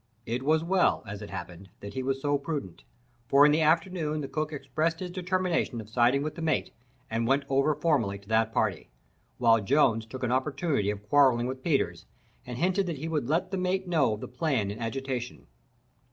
It was well, as it happened, that he was so prudent, for in the afternoon the cook expressed his determination of siding with the mate, and went over formally to that party; while Jones took an opportunity of quarrelling with Peters, and hinted that he would let the mate know of the plan in agitation.